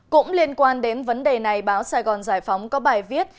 cũng liên quan đến vấn đề này báo sài gòn giải phóng có bài viết